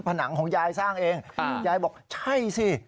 ผนังของยายสร้างเองยายบอกใช่สิ